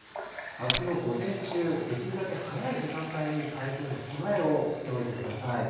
あすの午前中できるだけ早い時間帯に台風の備えをしておいてください。